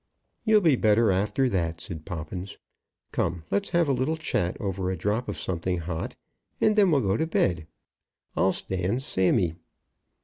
"You'll be better after that," said Poppins. "Come, let's have a little chat over a drop of something hot, and then we'll go to bed. I'll stand Sammy."